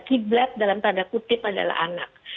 kita kiblat dalam tanda kutip adalah anak